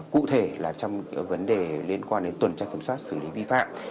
cụ thể là trong vấn đề liên quan đến tuần tra kiểm soát xử lý vi phạm